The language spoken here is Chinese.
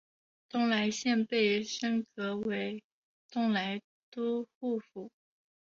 东莱县被升格为东莱都护府。